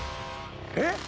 ・えっ！